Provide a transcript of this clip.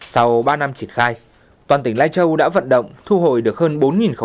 sau ba năm triển khai toàn tỉnh lai châu đã vận động thu hồi được hơn bốn khẩu súng săn tự chế